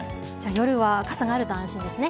夜は傘があると安心ですね。